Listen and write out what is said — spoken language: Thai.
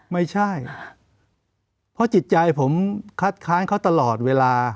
ไม่ใช่เพราะจิตใจผมคัดค้านเขาตลอดเวลา